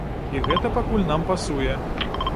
І гэта пакуль нам пасуе.